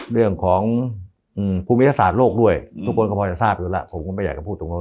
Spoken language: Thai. เรื่องของภูมิวิทยาศาสตร์โลกด้วยทุกคนก็พอจะทราบอยู่แล้วผมก็ไม่อยากจะพูดตรงโน้น